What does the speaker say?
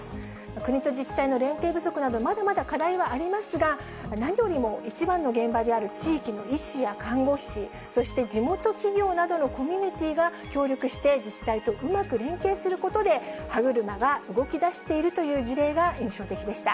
国と自治体の連携不足など、まだまだ課題はありますが、何よりも一番の現場である地域の医師や看護師、そして地元企業などのコミュニティーが、協力して自治体とうまく連携することで、歯車が動きだしているという事例が印象的でした。